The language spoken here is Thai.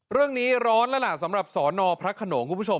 ร้อนแล้วล่ะสำหรับสนพระขนงคุณผู้ชม